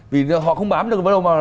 vì họ không bám được với đồng bào